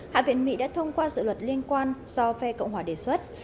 hạ viện mỹ đã thông qua dự luật liên quan do phe cộng hòa đề xuất